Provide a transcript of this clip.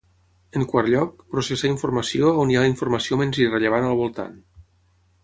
En quart lloc, processar informació on hi ha informació menys irrellevant al voltant.